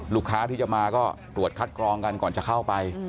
ลูกค้าที่จะมาก็ตรวจคัดกรองกันก่อนจะเข้าไป